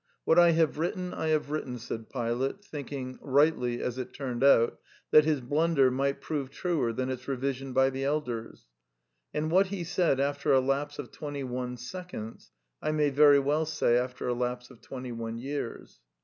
What I have written I have written, said Pilate, thinking (rightly, as it turned out) that his blunder might prove truer than its revision by the elders ; and what he said after a lapse of twenty one seconds I may very well say after a lapse of twenty one years.